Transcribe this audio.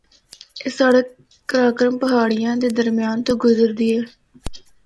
اے سڑک قراقرم پہاڑیاں دے درمیان تو گزردی ہے۔